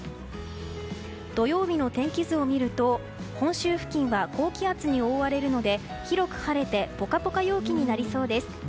土曜日の天気図を見ると本州付近は高気圧に覆われるので広く晴れてポカポカ陽気になりそうです。